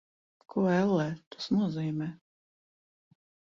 Ko, ellē, tas nozīmē?